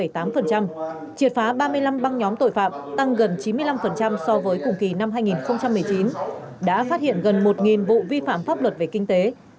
triệt phá ba mươi năm băng nhóm tội phạm tăng gần chín mươi năm so với cùng kỳ năm hai nghìn một mươi chín đã phát hiện gần một vụ vi phạm pháp luật về kinh tế